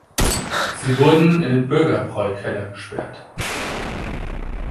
Sie wurden in den Bürgerbräukeller gesperrt.